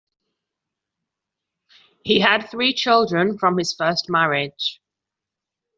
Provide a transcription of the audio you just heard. He had three children from his first marriage.